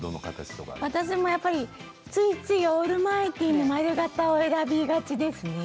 私もやっぱりついついオールマイティーの丸型を選びがちですね。